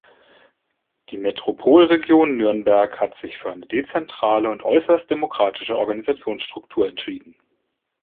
Die Metropolregion Nürnberg hat sich für eine dezentrale und äußerst demokratische Organisationsstruktur entschieden.